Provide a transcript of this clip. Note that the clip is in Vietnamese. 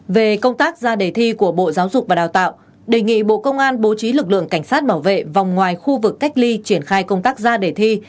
về công tác ra đề thi của bộ giáo dục và đào tạo đề nghị bộ công an bố trí lực lượng cảnh sát bảo vệ vòng ngoài khu vực cách ly triển khai công tác ra đề thi